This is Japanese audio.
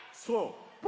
そう。